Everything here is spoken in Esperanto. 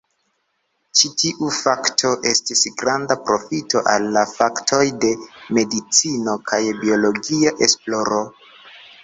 Ĉi tiu fakto estis granda profito al la faktoj de medicino kaj biologia esploro.